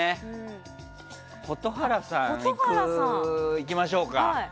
蛍原さんいきましょうか。